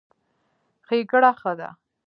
ښېګړه ښه ده.